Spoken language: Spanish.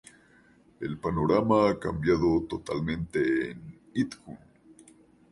El panorama ha cambiado totalmente en Idhún.